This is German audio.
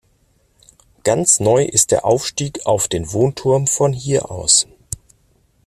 Ganz neu ist der Aufstieg auf den Wohnturm von hier aus.